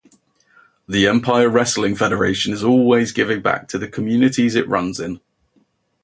The Empire Wrestling Federation is always giving back to the communities it runs in.